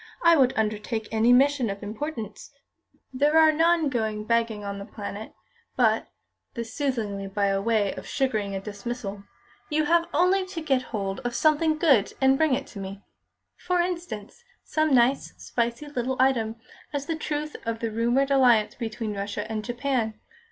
"I would undertake any mission of importance " "There are none going begging on The Planet. But" (this soothingly by way of sugaring a dismissal) "you have only to get hold of something good and bring it to me. For instance, some nice, spicy little item as to the truth of the rumoured alliance between Russia and Japan.